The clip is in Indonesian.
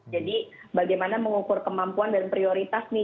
jadi bagaimana mengukur kemampuan dan prioritas nih